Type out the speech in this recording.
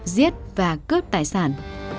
giết và cướp tài sản